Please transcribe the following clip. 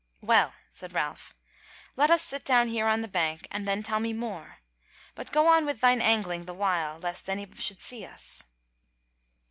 "Well," said Ralph, "let us sit down here on the bank and then tell me more; but go on with thine angling the while, lest any should see us."